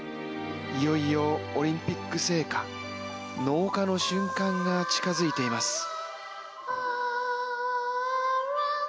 いよいよオリンピック聖火納火の瞬間が近付いています。